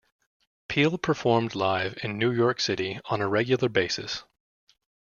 Peel performed live in New York City on a regular basis.